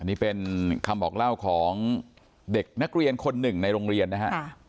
นี่เป็นคำบอกเล่าของเด็กนักเรียนคนหนึ่งในโรงเรียนนะฮะ